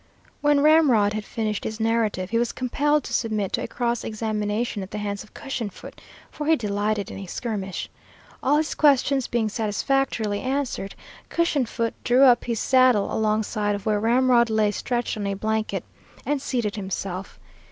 When Ramrod had finished his narrative, he was compelled to submit to a cross examination at the hands of Cushion foot, for he delighted in a skirmish. All his questions being satisfactorily answered, Cushion foot drew up his saddle alongside of where Ramrod lay stretched on a blanket, and seated himself.